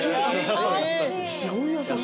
すごい優しい。